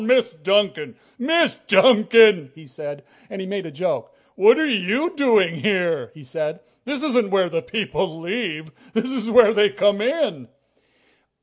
"Well, Miss Duncan! Miss Duncan!" he said, and he made a joke. "What are you doing here?" he said. "This isn't where the people leave. This is where they come in!"